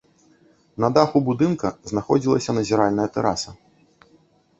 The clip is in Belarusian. На даху будынка знаходзілася назіральная тэраса.